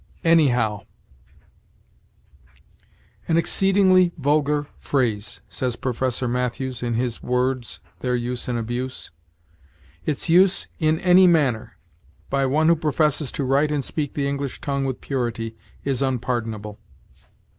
ANYHOW. "An exceedingly vulgar phrase," says Professor Mathews, in his "Words: Their Use and Abuse." "Its use, in any manner, by one who professes to write and speak the English tongue with purity, is unpardonable."